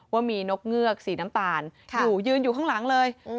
ว่ามีนกเงือกสีน้ำตาลอยู่ยืนอยู่ข้างหลังเลย